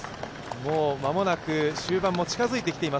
もう、間もなく終盤も近づいてきています。